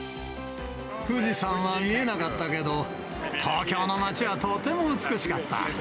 富士山は見えなかったけど、東京の街はとても美しかった。